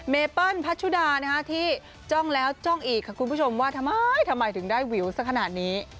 เปิ้ลพัชชุดาที่จ้องแล้วจ้องอีกค่ะคุณผู้ชมว่าทำไมทำไมถึงได้วิวสักขนาดนี้